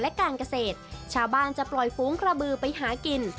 และการเกษตรชาวบ้านจะปล่อยฟูงกระบือไปหากิน